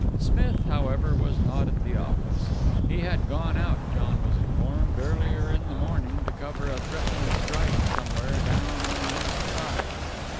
Smith, however, was not at the office. He had gone out, John was informed, earlier in the morning to cover a threatened strike somewhere down on the East Side.